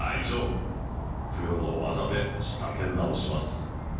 プロの技で仕立て直します。